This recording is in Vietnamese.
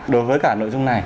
đối với cả nội dung này